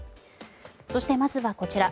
そして、まずはこちら。